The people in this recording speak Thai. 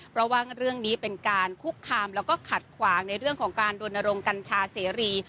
เพราะว่าเรื่องนี้เป็นการคุกคามแล้วก็ขัดขวางในเรื่องของการรณรงกัญชาเสรี